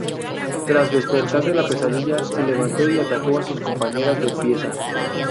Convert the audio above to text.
Tras despertar de la pesadilla, se levantó y atacó a sus compañeras de pieza.